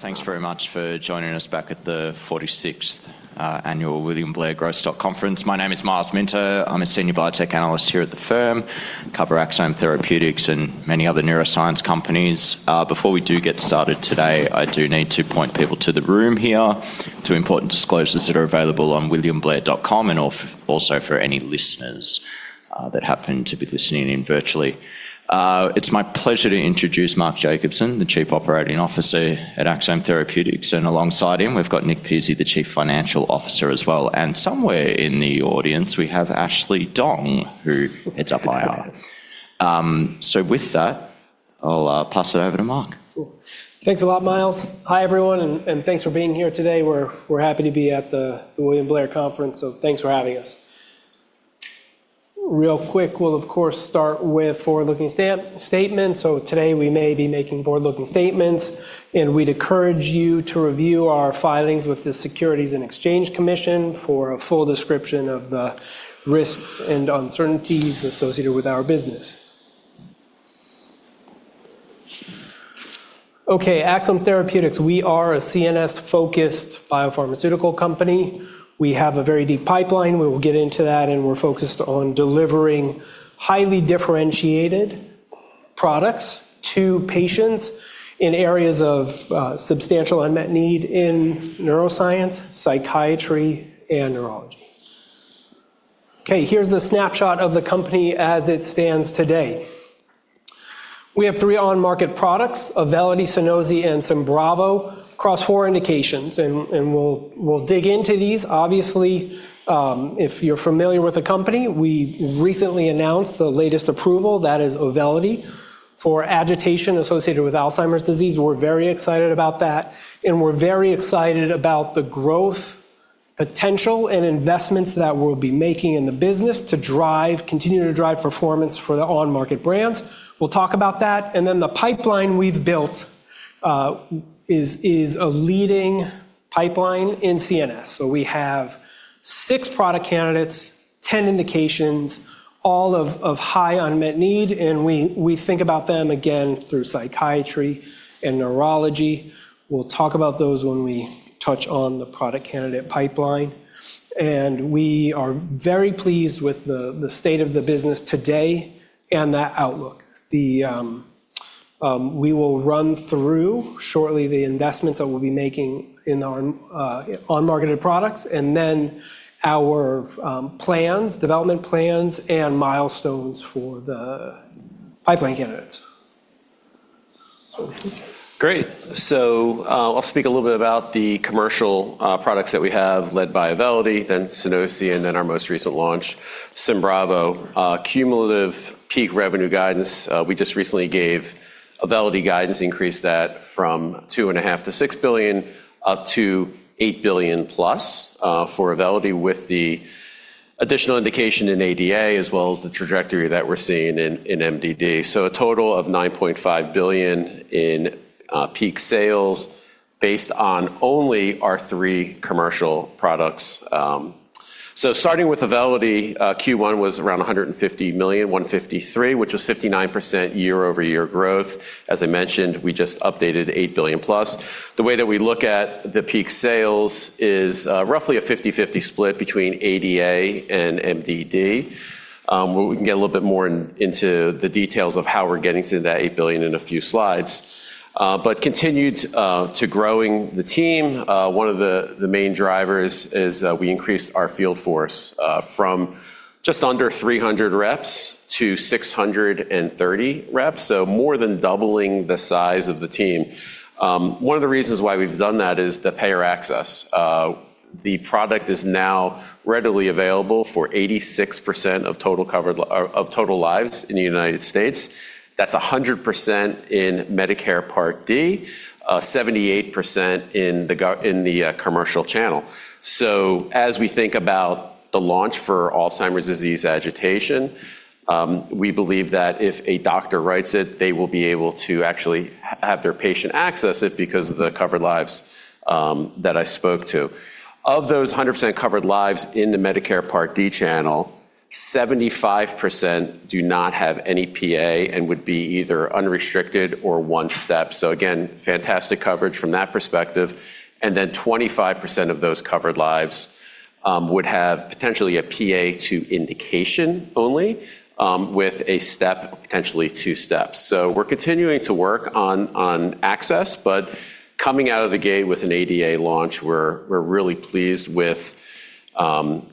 Thanks very much for joining us back at the 46th Annual William Blair Growth Stock Conference. My name is Myles Minter. I am a Senior Biotech Analyst here at the firm, cover Axsome Therapeutics and many other neuroscience companies. Before we do get started today, I do need to point people to the room here to important disclosures that are available on williamblair.com, and also for any listeners that happen to be listening in virtually. It is my pleasure to introduce Mark Jacobson, the Chief Operating Officer at Axsome Therapeutics, and alongside him we have Nick Pizzie, the Chief Financial Officer as well, and somewhere in the audience we have Ashley Dong, who heads up IR. With that, I will pass it over to Mark. Cool. Thanks a lot, Myles. Hi, everyone, and thanks for being here today. We're happy to be at the William Blair Conference, thanks for having us. Real quick, we'll of course start with forward-looking statements. Today we may be making forward-looking statements, and we'd encourage you to review our filings with the Securities and Exchange Commission for a full description of the risks and uncertainties associated with our business. Axsome Therapeutics, we are a CNS-focused biopharmaceutical company. We have a very deep pipeline. We will get into that, and we're focused on delivering highly differentiated products to patients in areas of substantial unmet need in neuroscience, psychiatry, and neurology. Here's the snapshot of the company as it stands today. We have three on-market products, AUVELITY, SUNOSI, and SYMBRAVO, across four indications, and we'll dig into these. Obviously, if you're familiar with the company, we recently announced the latest approval, that is AUVELITY for agitation associated with Alzheimer's disease. We're very excited about that and we're very excited about the growth potential and investments that we'll be making in the business to continue to drive performance for the on-market brands. We'll talk about that. The pipeline we've built is a leading pipeline in CNS. We have six product candidates, 10 indications, all of high unmet need, and we think about them, again, through psychiatry and neurology. We'll talk about those when we touch on the product candidate pipeline. We are very pleased with the state of the business today and that outlook. We will run through, shortly, the investments that we'll be making in our on-marketed products and then our development plans and milestones for the pipeline candidates. Great. I'll speak a little bit about the commercial products that we have led by AUVELITY, then SUNOSI, and then our most recent launch, SYMBRAVO. Cumulative peak revenue guidance. We just recently gave AUVELITY guidance, increased that from $2.5 billion-$6 billion up to $8 billion-plus for AUVELITY with the additional indication in ADA as well as the trajectory that we're seeing in MDD. A total of $9.5 billion in peak sales based on only our three commercial products. Starting with AUVELITY, Q1 was around $150 million, $153 million, which was 59% year-over-year growth. As I mentioned, we just updated $8 billion-plus. The way that we look at the peak sales is roughly a 50/50 split between ADA and MDD, where we can get a little bit more into the details of how we're getting to that $8 billion in a few slides. continued to growing the team. One of the main drivers is we increased our field force from just under 300 reps - 630 reps, more than doubling the size of the team. One of the reasons why we've done that is the payer access. The product is now readily available for 86% of total lives in the U.S. That's 100% in Medicare Part D, 78% in the commercial channel. As we think about the launch for Alzheimer's disease agitation, we believe that if a doctor writes it, they will be able to actually have their patient access it because of the covered lives that I spoke to. Of those 100% covered lives in the Medicare Part D channel, 75% do not have any PA and would be either unrestricted or one step. Again, fantastic coverage from that perspective. 25% of those covered lives would have potentially a PA to indication only with a step, potentially two steps. We're continuing to work on access, but coming out of the gate with an ADA launch, we're really pleased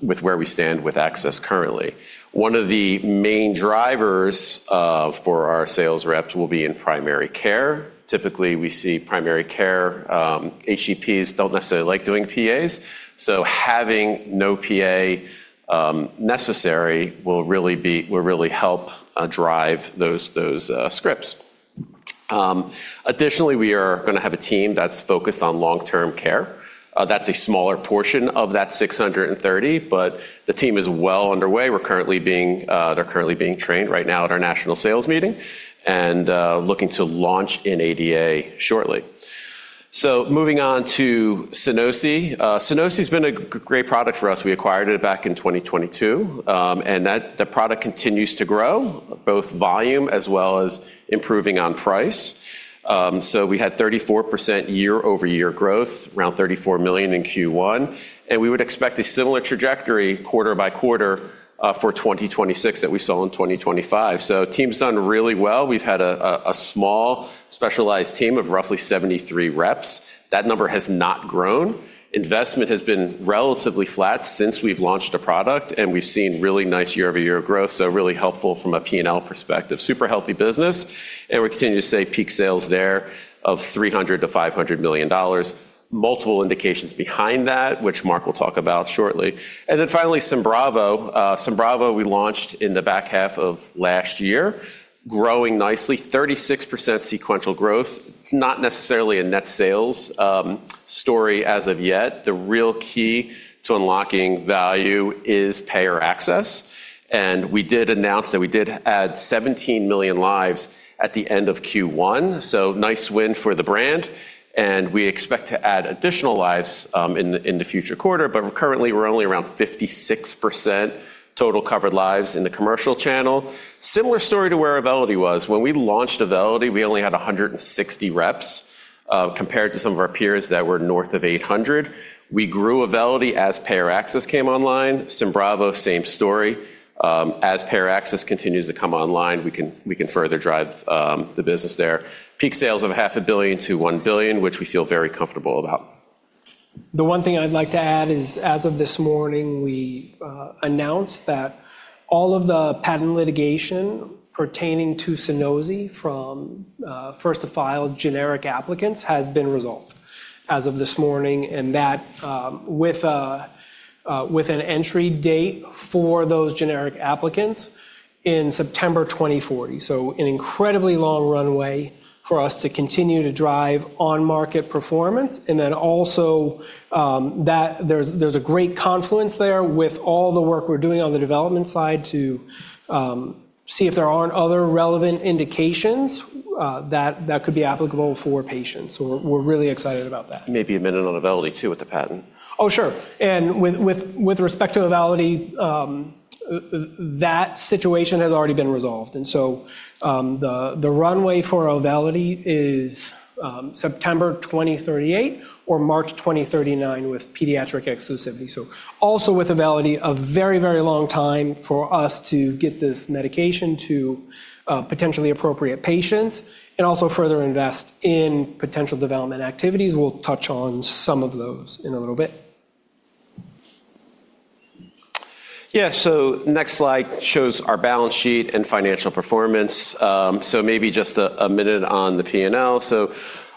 with where we stand with access currently. One of the main drivers for our sales reps will be in primary care. Typically, we see primary care, HCPs don't necessarily like doing PAs. Having no PA necessary will really help drive those scripts. Additionally, we are going to have a team that's focused on long-term care. That's a smaller portion of that 630, but the team is well underway. They're currently being trained right now at our national sales meeting and looking to launch in ADA shortly. Moving on to SUNOSI. SUNOSI has been a great product for us. We acquired it back in 2022, the product continues to grow, both volume as well as improving on price. We had 34% year-over-year growth, around $34 million in Q1, we would expect a similar trajectory quarter by quarter for 2026 that we saw in 2025. The team's done really well. We've had a small specialized team of roughly 73 reps. That number has not grown. Investment has been relatively flat since we've launched the product, we've seen really nice year-over-year growth, really helpful from a P&L perspective. Super healthy business, we continue to see peak sales there of $300 million-$500 million. Multiple indications behind that, which Mark will talk about shortly. Finally, SYMBRAVO. SYMBRAVO we launched in the back half of last year, growing nicely, 36% sequential growth. It's not necessarily a net sales story as of yet. The real key to unlocking value is payer access. We did announce that we did add 17 million lives at the end of Q1, so nice win for the brand. We expect to add additional lives in the future quarter. Currently, we're only around 56% total covered lives in the commercial channel. Similar story to where AUVELITY was. When we launched AUVELITY, we only had 160 reps, compared to some of our peers that were north of 800. We grew AUVELITY as payer access came online. SYMBRAVO, same story. As payer access continues to come online, we can further drive the business there. Peak sales of half a billion - $1 billion, which we feel very comfortable about. The one thing I'd like to add is, as of this morning, we announced that all of the patent litigation pertaining to SUNOSI from first to file generic applicants has been resolved as of this morning, and that with an entry date for those generic applicants in September 2040. An incredibly long runway for us to continue to drive on-market performance. Also, there's a great confluence there with all the work we're doing on the development side to see if there aren't other relevant indications that could be applicable for patients. We're really excited about that. Maybe a minute on AUVELITY too, with the patent. Oh, sure. And with respect to AUVELITY, that situation has already been resolved. The runway for AUVELITY is September 2038 or March 2039 with pediatric exclusivity. Also with AUVELITY, a very, very long time for us to get this medication to potentially appropriate patients and also further invest in potential development activities. We'll touch on some of those in a little bit. Next slide shows our balance sheet and financial performance. Maybe just a minute on the P&L.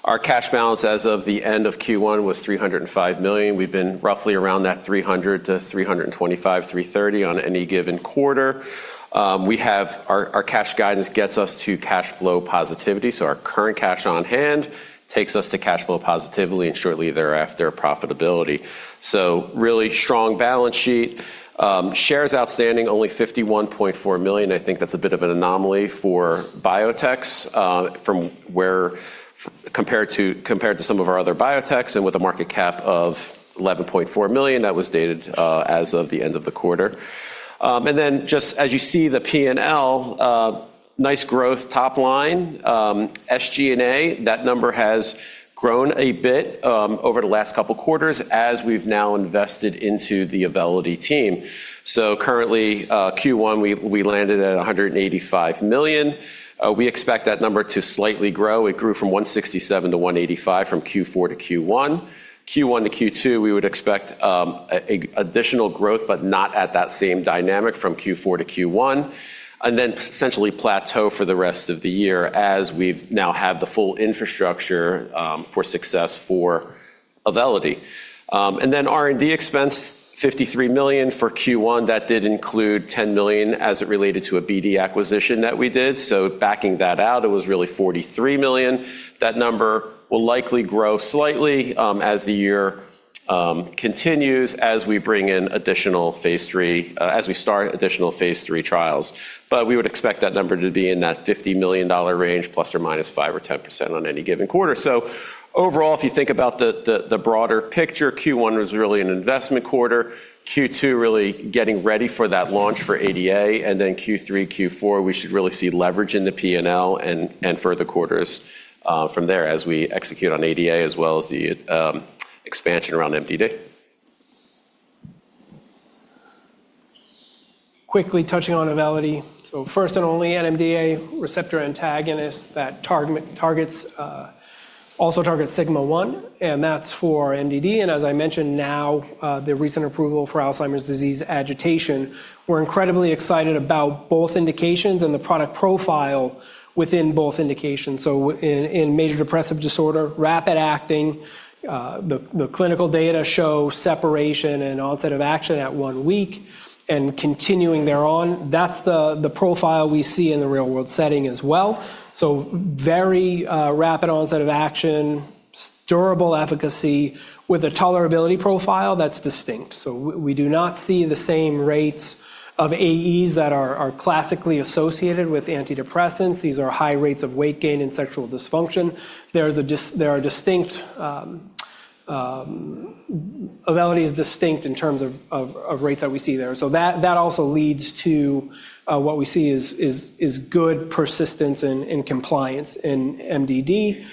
Our cash balance as of the end of Q1 was $305 million. We've been roughly around that $300 - $325, $330 on any given quarter. Our cash guidance gets us to cash flow positivity. Our current cash on hand takes us to cash flow positivity and shortly thereafter, profitability. Really strong balance sheet. Shares outstanding only 51.4 million. I think that's a bit of an anomaly for biotechs compared to some of our other biotechs, with a market cap of $11.4 million. That was dated as of the end of the quarter. Just as you see the P&L, nice growth top line. SG&A, that number has grown a bit over the last couple of quarters as we've now invested into the AUVELITY team. Currently, Q1, we landed at $185 million. It grew from $167 to $185 from Q4 to Q1. Q1 - Q2, we would expect additional growth, but not at that same dynamic from Q4 to Q1, and then essentially plateau for the rest of the year as we now have the full infrastructure for success for AUVELITY. R&D expense, $53 million for Q1. That did include $10 million as it related to a BD acquisition that we did. Backing that out, it was really $43 million. That number will likely grow slightly as the year continues, as we start additional phase III trials. We would expect that number to be in that $50 million range, ±5% or 10% on any given quarter. Overall, if you think about the broader picture, Q1 was really an investment quarter, Q2 really getting ready for that launch for ADA, Q3, Q4, we should really see leverage in the P&L and further quarters from there as we execute on ADA as well as the expansion around MDD. Quickly touching on AUVELITY. First and only NMDA receptor antagonist that also targets sigma-1, and that is for MDD. As I mentioned now, the recent approval for Alzheimer's disease agitation. We are incredibly excited about both indications and the product profile within both indications. In major depressive disorder, rapid acting, the clinical data show separation and onset of action at one week and continuing thereon. That is the profile we see in the real-world setting as well. Very rapid onset of action, durable efficacy with a tolerability profile that is distinct. We do not see the same rates of AEs that are classically associated with antidepressants. These are high rates of weight gain and sexual dysfunction. AUVELITY is distinct in terms of rates that we see there. That also leads to what we see is good persistence in compliance in MDD.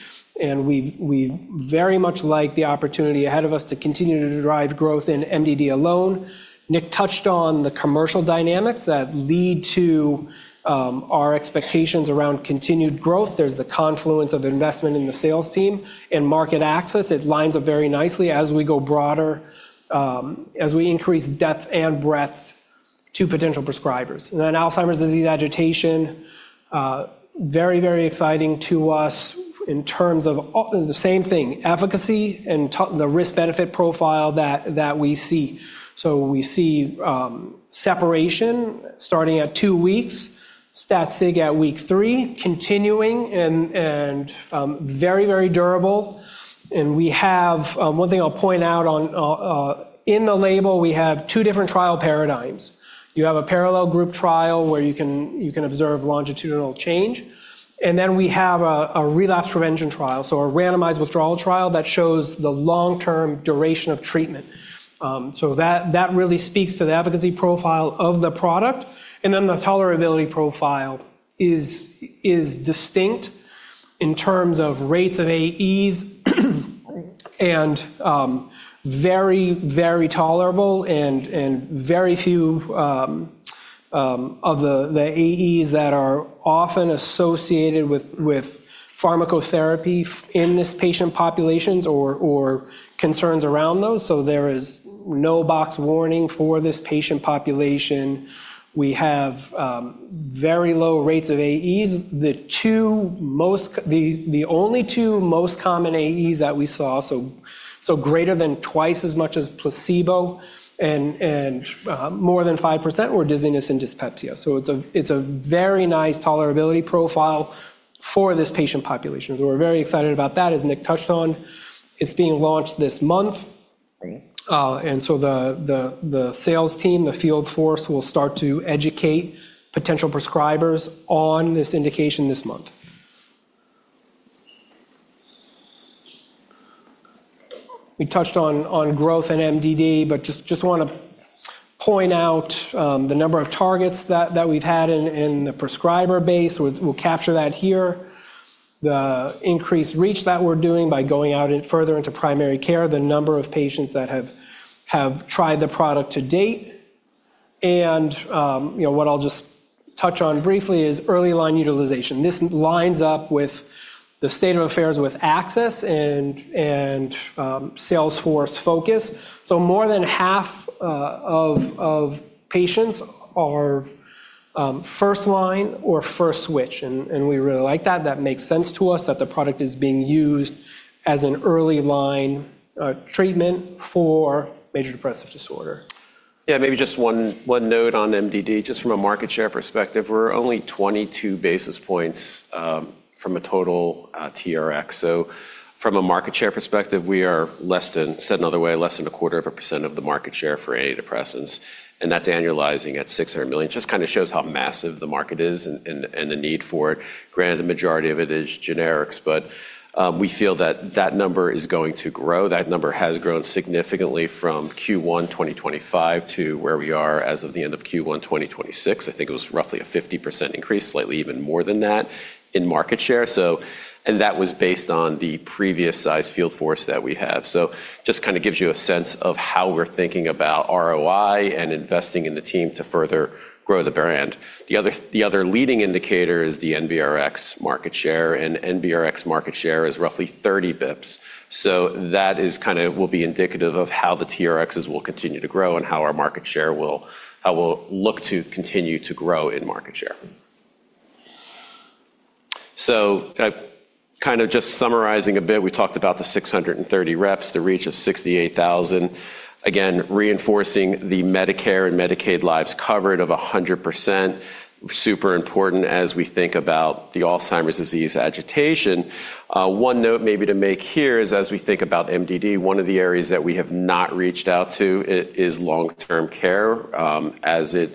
We very much like the opportunity ahead of us to continue to drive growth in MDD alone. Nick touched on the commercial dynamics that lead to our expectations around continued growth. There's the confluence of investment in the sales team and market access. It lines up very nicely as we go broader, as we increase depth and breadth to potential prescribers. Then Alzheimer's disease agitation, very, very exciting to us in terms of the same thing, efficacy and the risk-benefit profile that we see. We see separation starting at two weeks, stat sig at week three, continuing and very, very durable. One thing I'll point out, in the label, we have two different trial paradigms. You have a parallel group trial where you can observe longitudinal change, then we have a relapse prevention trial, a randomized withdrawal trial that shows the long-term duration of treatment. That really speaks to the efficacy profile of the product. The tolerability profile is distinct in terms of rates of AEs, and very, very tolerable and very few of the AEs that are often associated with pharmacotherapy in this patient populations or concerns around those. There is no box warning for this patient population. We have very low rates of AEs. The only two most common AEs that we saw, greater than twice as much as placebo and more than five percent, were dizziness and dyspepsia. It's a very nice tolerability profile for this patient population. We're very excited about that. As Nick touched on, it's being launched this month. Great. The sales team, the field force, will start to educate potential prescribers on this indication this month. We touched on growth in MDD, but just want to point out the number of targets that we've had in the prescriber base. We'll capture that here. The increased reach that we're doing by going out further into primary care, the number of patients that have tried the product to date. What I'll just touch on briefly is early line utilization. This lines up with the state of affairs with access and sales force focus. More than half of patients are first-line or first-switch, and we really like that. That makes sense to us that the product is being used as an early-line treatment for major depressive disorder. Yeah, maybe just one note on MDD, just from a market share perspective, we're only 22 basis points from a total TRX. From a market share perspective, said another way, less than a quarter of a percent of the market share for antidepressants, and that's annualizing at $600 million. Just shows how massive the market is and the need for it. Granted, the majority of it is generics. We feel that that number is going to grow. That number has grown significantly from Q1 2025 to where we are as of the end of Q1 2026. I think it was roughly a 50% increase, slightly even more than that in market share. That was based on the previous size field force that we have. Just gives you a sense of how we're thinking about ROI and investing in the team to further grow the brand. The other leading indicator is the NBRX market share, and NBRX market share is roughly 30 basis points. That will be indicative of how the TRXs will continue to grow and how we'll look to continue to grow in market share. Just summarizing a bit, we talked about the 630 reps, the reach of 68,000, again, reinforcing the Medicare and Medicaid lives covered of 100%. Super important as we think about the Alzheimer's disease agitation. One note maybe to make here is as we think about MDD, one of the areas that we have not reached out to is long-term care as it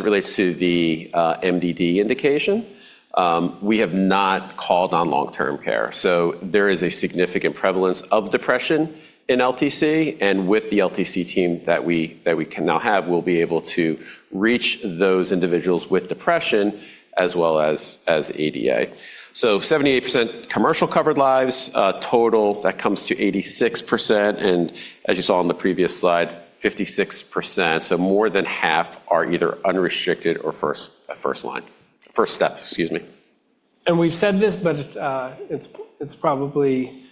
relates to the MDD indication. We have not called on long-term care. There is a significant prevalence of depression in LTC and with the LTC team that we can now have, we'll be able to reach those individuals with depression as well as ADA. 78% commercial covered lives, total, that comes to 86%. As you saw on the previous slide, 56%. More than half are either unrestricted or first step. We've said this, but it's probably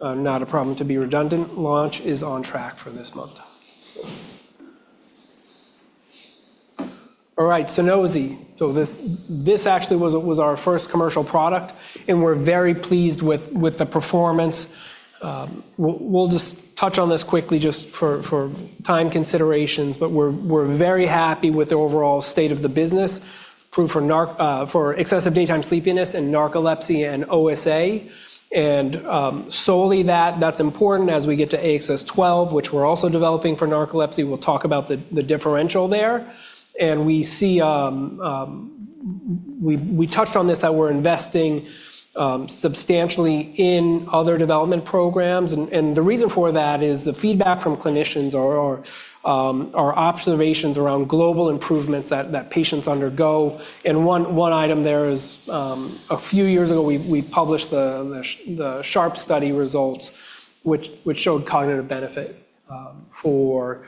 not a problem to be redundant. Launch is on track for this month. SUNOSI. This actually was our first commercial product, and we're very pleased with the performance. We'll just touch on this quickly just for time considerations, but we're very happy with the overall state of the business. Approved for excessive daytime sleepiness and narcolepsy and OSA, and solely that's important as we get to AXS-12, which we're also developing for narcolepsy. We'll talk about the differential there. We touched on this, that we're investing substantially in other development programs, and the reason for that is the feedback from clinicians or our observations around global improvements that patients undergo. One item there is a few years ago, we published the SHARP study results, which showed cognitive benefit for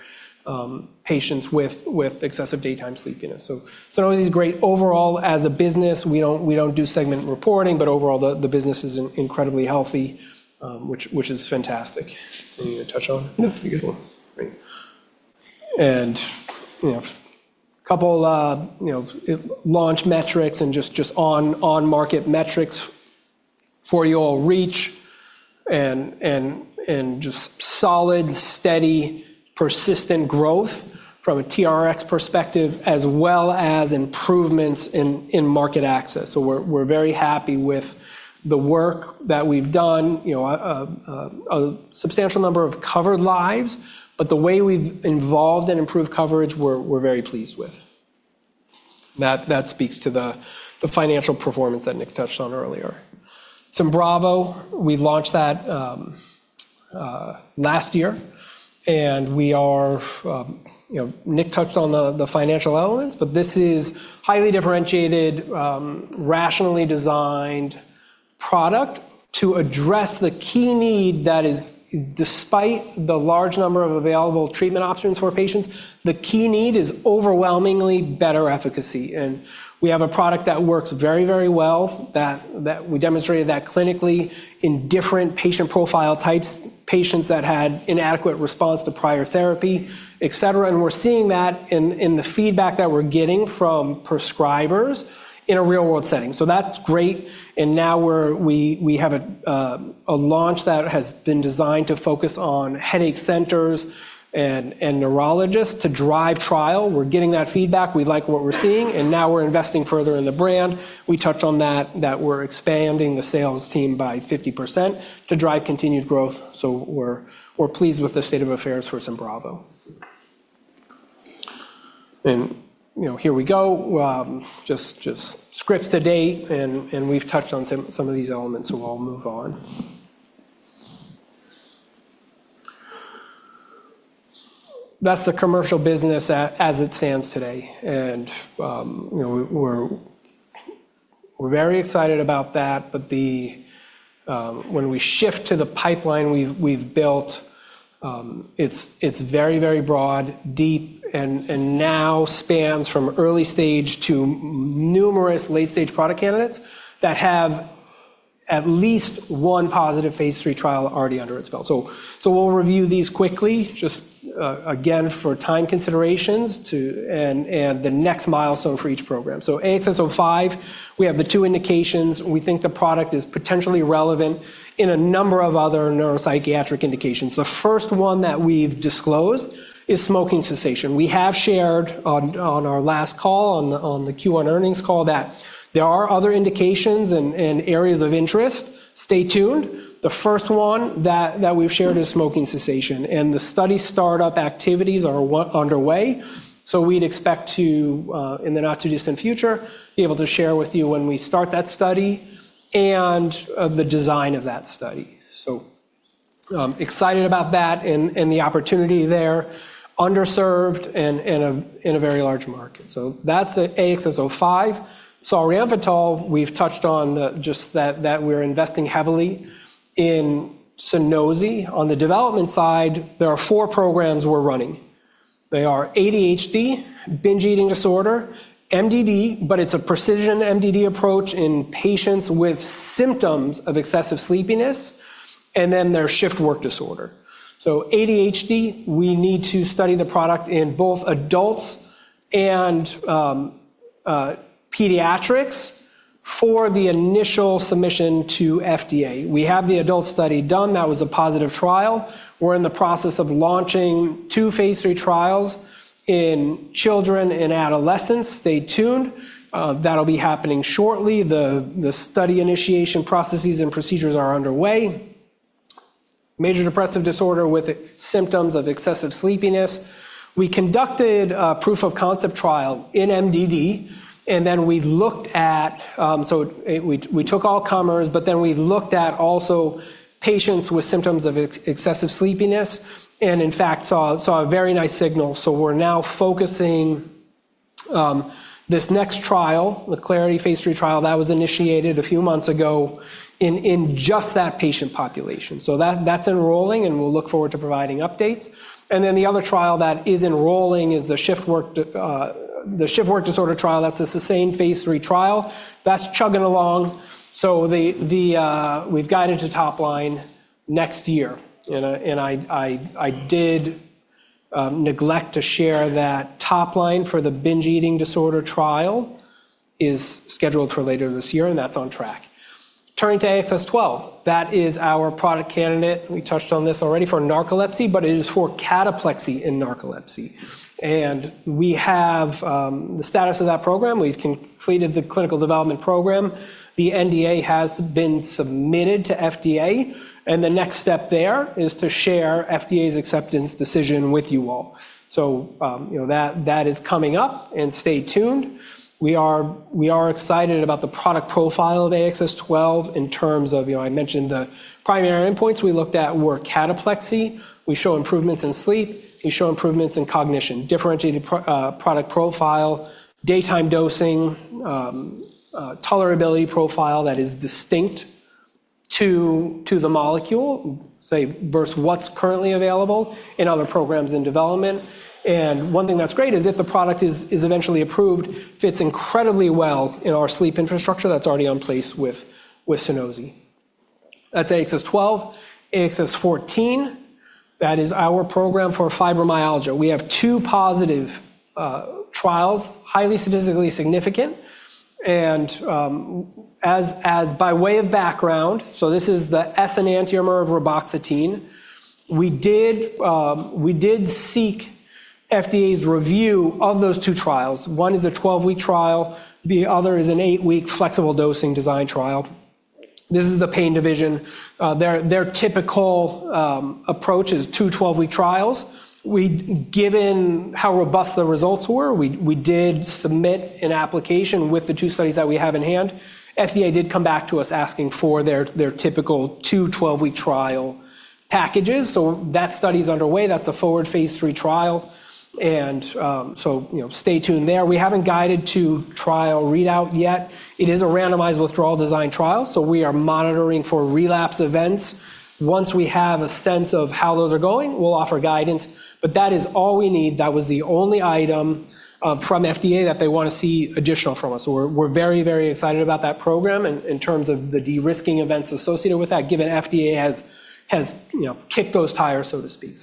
patients with excessive daytime sleepiness. Always great. Overall, as a business, we don't do segment reporting, but overall the business is incredibly healthy, which is fantastic. Anything to touch on? No. You're good. Great. A couple launch metrics and just on-market metrics for you all. Reach and just solid, steady, persistent growth from a TRX perspective as well as improvements in market access. We're very happy with the work that we've done. A substantial number of covered lives, but the way we've involved and improved coverage, we're very pleased with. That speaks to the financial performance that Nick touched on earlier. SYMBRAVO, we launched that last year and Nick touched on the financial elements, but this is highly differentiated, rationally designed product to address the key need that is despite the large number of available treatment options for patients, the key need is overwhelmingly better efficacy. We have a product that works very well that we demonstrated that clinically in different patient profile types, patients that had inadequate response to prior therapy, et cetera. We're seeing that in the feedback that we're getting from prescribers in a real-world setting. That's great, and now we have a launch that has been designed to focus on headache centers and neurologists to drive trial. We're getting that feedback. We like what we're seeing, and now we're investing further in the brand. We touched on that we're expanding the sales team by 50% to drive continued growth. We're pleased with the state of affairs for SYMBRAVO. Here we go. Just scripts to date, and we've touched on some of these elements, so I'll move on. That's the commercial business as it stands today, and we're very excited about that. When we shift to the pipeline we've built, it's very broad, deep, and now spans from early stage to numerous late-stage product candidates that have at least one positive phase III trial already under its belt. We'll review these quickly just again, for time considerations and the next milestone for each program. AXS-05, we have the two indications. We think the product is potentially relevant in a number of other neuropsychiatric indications. The first one that we've disclosed is smoking cessation. We have shared on our last call, on the Q1 earnings call, that there are other indications and areas of interest. Stay tuned. The first one that we've shared is smoking cessation, and the study start-up activities are underway. We'd expect to, in the not-too-distant future, be able to share with you when we start that study and the design of that study. Excited about that and the opportunity there. Underserved and in a very large market. That's AXS-05. Solriamfetol, we've touched on just that we're investing heavily in SUNOSI. On the development side, there are four programs we're running. They are ADHD, binge eating disorder, MDD, but it's a precision MDD approach in patients with symptoms of excessive sleepiness, and then there's shift work disorder. ADHD, we need to study the product in both adults and pediatrics for the initial submission to FDA. We have the adult study done. That was a positive trial. We're in the process of launching two phase III trials in children, in adolescents. Stay tuned. That'll be happening shortly. The study initiation processes and procedures are underway. Major depressive disorder with symptoms of excessive sleepiness. We conducted a proof of concept trial in MDD, and then we took all comers, but then we looked at also patients with symptoms of excessive sleepiness and in fact, saw a very nice signal. We're now focusing this next trial, the CLARITY phase III trial that was initiated a few months ago in just that patient population. That's enrolling, and we'll look forward to providing updates. The other trial that is enrolling is the shift work disorder trial. That's the sustained phase III trial. That's chugging along. We've guided to top line next year, and I did neglect to share that top line for the binge eating disorder trial is scheduled for later this year, and that's on track. Turning to AXS-12, that is our product candidate. We touched on this already for narcolepsy, but it is for cataplexy in narcolepsy. We have the status of that program. We've completed the clinical development program. The NDA has been submitted to FDA. The next step there is to share FDA's acceptance decision with you all. That is coming up. Stay tuned. We are excited about the product profile of AXS-12 in terms of, I mentioned the primary endpoints we looked at were cataplexy. We show improvements in sleep. We show improvements in cognition, differentiated product profile, daytime dosing, tolerability profile that is distinct to the molecule, say, versus what's currently available in other programs in development. One thing that's great is if the product is eventually approved, fits incredibly well in our sleep infrastructure that's already in place with SUNOSI. That's AXS-12. AXS-14, that is our program for fibromyalgia. We have two positive trials, highly statistically significant. As by way of background, this is the S enantiomer of reboxetine. We did seek FDA's review of those two trials. One is a 12-week trial, the other is an eight-week flexible dosing design trial. This is the pain division. Their typical approach is two 12-week trials. Given how robust the results were, we did submit an application with the two studies that we have in hand. FDA did come back to us asking for their typical two 12-week trial packages. That study's underway. That's the forward phase III trial. Stay tuned there. We haven't guided to trial readout yet. It is a randomized withdrawal design trial, so we are monitoring for relapse events. Once we have a sense of how those are going, we'll offer guidance. That is all we need. That was the only item from FDA that they want to see additional from us. We're very excited about that program in terms of the de-risking events associated with that, given FDA has kicked those tires, so to speak.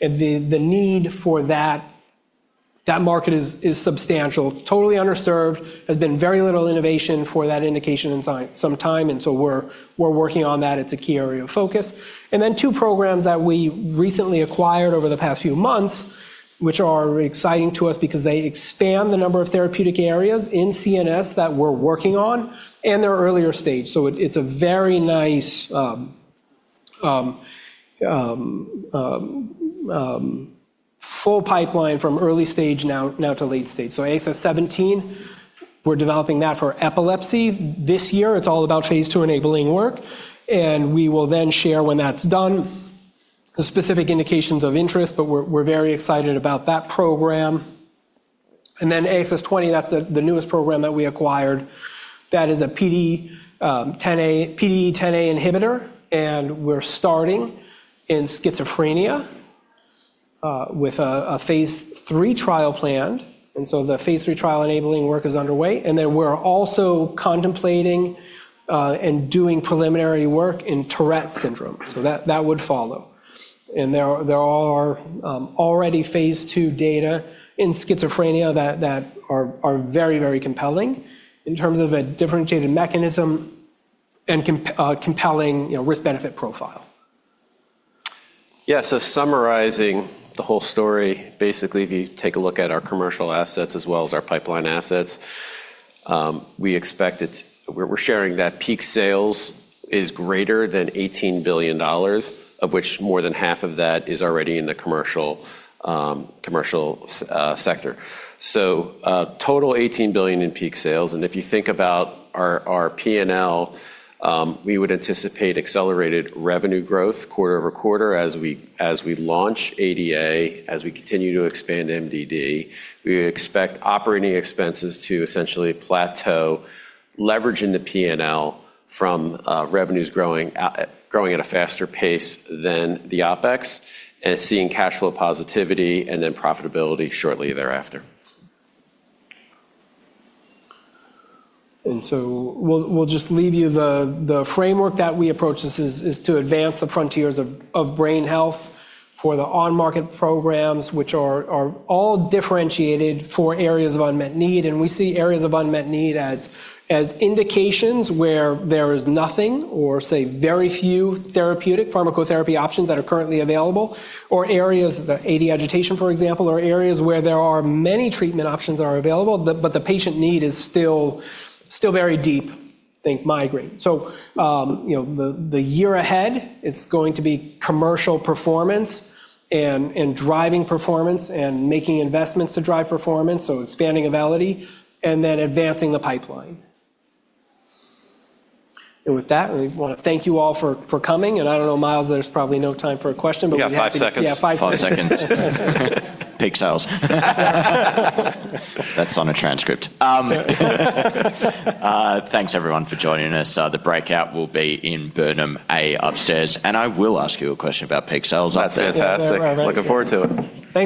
The need for that market is substantial, totally underserved, has been very little innovation for that indication in some time, and so we're working on that. It's a key area of focus. Two programs that we recently acquired over the past few months, which are very exciting to us because they expand the number of therapeutic areas in CNS that we're working on and they're earlier stage. It's a very nice full pipeline from early stage now to late stage. AXS-17, we're developing that for epilepsy this year. It's all about phase II enabling work, and we will then share when that's done, the specific indications of interest, but we're very excited about that program. AXS-20, that's the newest program that we acquired. That is a PDE10A inhibitor, and we're starting in schizophrenia with a phase III trial planned. The phase III trial enabling work is underway. We're also contemplating and doing preliminary work in Tourette syndrome. That would follow. There are already phase II data in schizophrenia that are very compelling in terms of a differentiated mechanism and compelling risk-benefit profile. Summarizing the whole story, basically, if you take a look at our commercial assets as well as our pipeline assets, we're sharing that peak sales is greater than $18 billion, of which more than half of that is already in the commercial sector. Total $18 billion in peak sales. If you think about our P&L, we would anticipate accelerated revenue growth quarter-over-quarter as we launch ADA, as we continue to expand MDD. We expect operating expenses to essentially plateau, leverage into P&L from revenues growing at a faster pace than the OpEx, and seeing cash flow positivity and then profitability shortly thereafter. We'll just leave you the framework that we approach this is to advance the frontiers of brain health for the on-market programs, which are all differentiated for areas of unmet need. We see areas of unmet need as indications where there is nothing or say very few therapeutic pharmacotherapy options that are currently available, or areas, the AD agitation, for example, or areas where there are many treatment options that are available, but the patient need is still very deep, think migraine. The year ahead, it's going to be commercial performance and driving performance and making investments to drive performance, expanding AUVELITY, and then advancing the pipeline. With that, we want to thank you all for coming. I don't know, Myles, there's probably no time for a question. We got five seconds. Yeah, five seconds. Five seconds. Peak sales. That's on a transcript. Thanks everyone for joining us. The breakout will be in Burnham A upstairs, and I will ask you a question about peak sales. That's fantastic. All right. Looking forward to it. Thanks.